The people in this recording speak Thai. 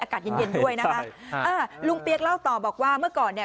อากาศเย็นเย็นด้วยนะคะอ่าลุงเปี๊ยกเล่าต่อบอกว่าเมื่อก่อนเนี่ย